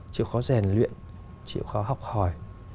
chịu khó rèn luyện chịu khó học hỏi